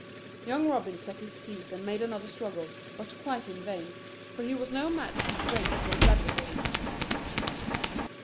Young Robin set his teeth and made another struggle, but quite in vain, for he was no match in strength for his adversary.